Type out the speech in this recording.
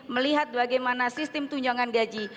melihat bagaimana sistem tunjangan gaji